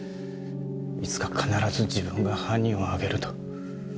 いつか必ず自分が犯人を挙げると。